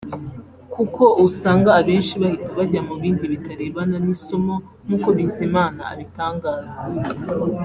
kuko usanga abenshi bahita bajya mu bindi bitarebana n’isomo nk’uko Bizimana abitangaza